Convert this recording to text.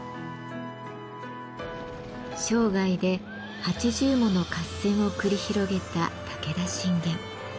生涯で８０もの合戦を繰り広げた武田信玄。